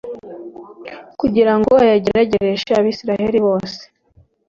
kugira ngo ayageragereshe abayisraheli bose